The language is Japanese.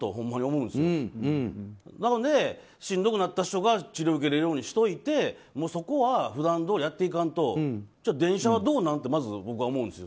なので、しんどくなった人が治療を受けられるようにしといてそこは普段どおりやっていかんと電車はどうなん？ってまず僕は思うんです。